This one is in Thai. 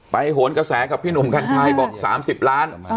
โหนกระแสกับพี่หนุ่มกัญชัยบอก๓๐ล้าน